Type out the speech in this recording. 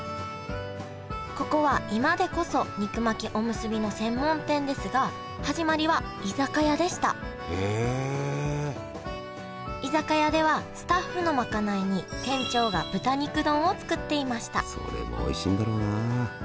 ここは今でこそ肉巻きおむすびの専門店ですが始まりは居酒屋でした居酒屋ではスタッフの賄いに店長が豚肉丼を作っていましたそれもおいしいんだろうな。